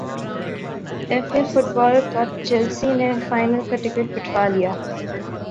F A football cup Chelsea نے final کا ticket کٹوا لیا